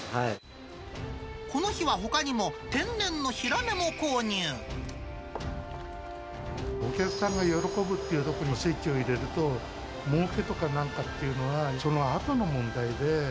この日はほかにも、お客さんが喜ぶっていうところにスイッチを入れると、もうけとかなんかっていうのは、そのあとの問題で。